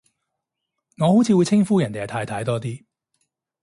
我好似會稱呼人哋係太太多啲